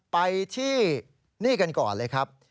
ไปที่นี่กันก่อนเลยครับ